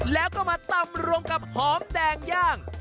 แล้วก็มาตำรวมกับหอมแดงย่าง